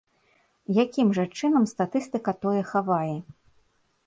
Якім жа чынам статыстыка тое хавае?